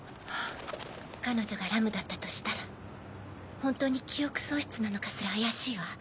彼女がラムだったとしたらホントに記憶喪失なのかすら怪しいわ。